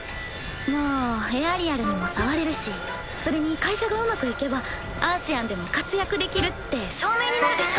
まあエアリアルにも触れるしそれに会社がうまくいけばアーシアンでも活躍できるって証明になるでしょ？